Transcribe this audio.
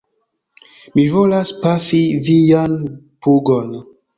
Mi volas pafi vian pugon!